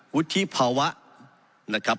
วุฒิภาวะ